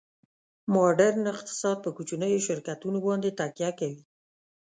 ماډرن اقتصاد په کوچنیو شرکتونو باندې تکیه کوي